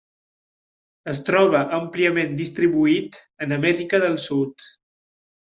Es troba àmpliament distribuït en Amèrica del Sud.